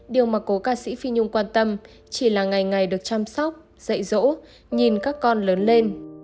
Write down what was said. điều mà cố ca sĩ phi nhung quan tâm chỉ là ngày ngày được chăm sóc dạy dỗ nhìn các con lớn lên